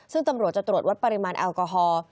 ซึ่งตำรวจจะตรวจวัดปริมาณแอลกอฮอล์